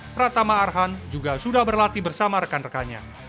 pratama arhan juga sudah berlatih bersama rekan rekannya